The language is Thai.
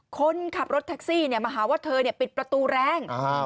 คนขับรถแท็กซี่เนี่ยมาหาว่าเธอปิดประตูแรง